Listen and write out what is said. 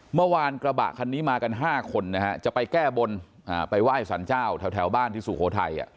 เมื่อวานกระบะคันนี้มากันห้าคนนะฮะจะไปแก้บนอ่าไปไหว้สรรเจ้าแถวแถวบ้านที่สุโขทัยอ่ะ